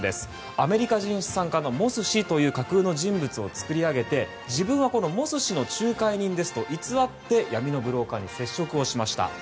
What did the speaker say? アメリカ人資産家のモス氏という架空の人物を作り上げて自分は、このモス氏の仲介人ですと偽って闇のブローカーに接触しました。